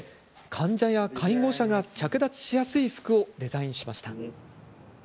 患者や介護者が着脱しやすい服をデザインしました。